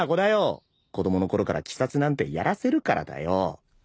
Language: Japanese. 子供のころから鬼殺なんてやらせるからだよ